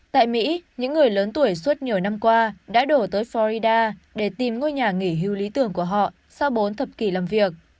tại mỹ những người lớn tuổi suốt nhiều năm qua đã đổ tới florida để tìm ngôi nhà nghỉ hưu lý tưởng của họ sau bốn thập kỷ làm việc